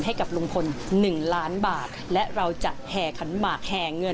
นี่ลุงพลนี่เป้าะแต่นอะไรแบบนี้